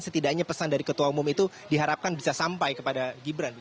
setidaknya pesan dari ketua umum itu diharapkan bisa sampai kepada gibran